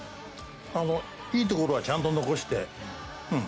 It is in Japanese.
いいところはちゃんと残して。